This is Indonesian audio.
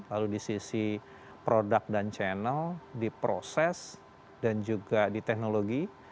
lalu di sisi produk dan channel di proses dan juga di teknologi